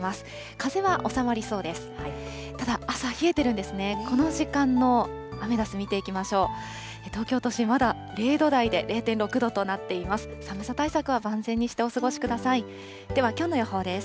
風は収まりそうです。